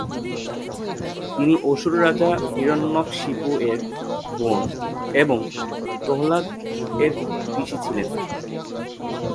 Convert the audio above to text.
তিনি অসুর রাজা হিরণ্যকশিপু এর বোন, এবং প্রহ্লাদ এর পিসি ছিলেন।